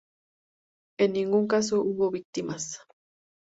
En ningún caso hubo víctimas.